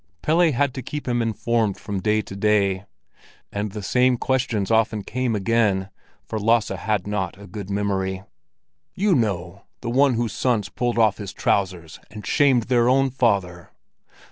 Pelle had to keep him informed from day to day. And the same questions often came again, for Lasse had not a good memory. "You know—the one whose sons pulled off his trousers and shamed their own father?"